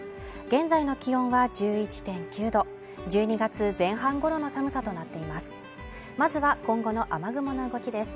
現在の気温は１１．９度１２月前半頃の寒さとなっています